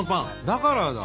だからだ。